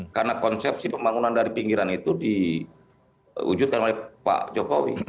karena konsepsi pembangunan dari pinggiran itu diwujudkan oleh pak jokowi